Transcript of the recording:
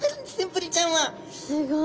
すごい。